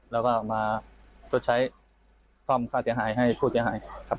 แล้วก็มาชดใช้ซ่อมค่าเสียหายให้ผู้เสียหายครับ